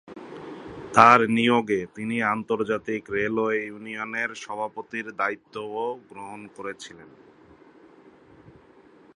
তাঁর নিয়োগে তিনি আন্তর্জাতিক রেলওয়ে ইউনিয়নের সভাপতির দায়িত্বও গ্রহণ করেছিলেন।